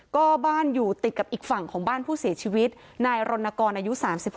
ก็บ้านอยู่ติดกับอีกฝั่งของบ้านผู้เสียชีวิตนายรณกรอายุ๓๖